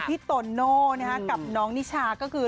พี่โตโน่กับน้องนิชาก็คือ